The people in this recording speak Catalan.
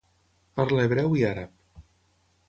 Parla hebreu i àrab.